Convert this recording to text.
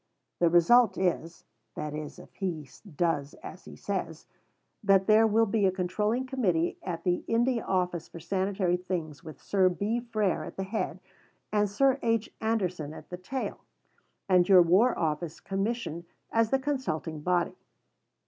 The result is (that is, if he does as he says) that there will be a Controlling Committee at the India Office for sanitary things with Sir B. Frere at the head and Sir H. Anderson at the tail, and your War Office Commission as the consulting body.